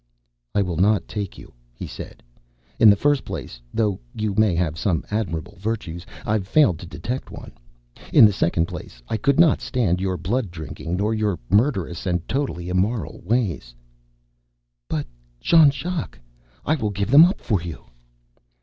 "I will not take you," he said. "In the first place, though you may have some admirable virtues, I've failed to detect one. In the second place, I could not stand your blood drinking nor your murderous and totally immoral ways." "But, Jean Jacques, I will give them up for you!"